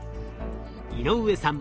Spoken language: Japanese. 井上さん